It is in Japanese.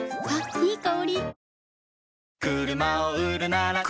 いい香り。